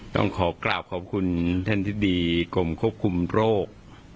ต้องขอแก้ครอบขอบคุณท่านท่านที่ดีกรมควบคุมโรค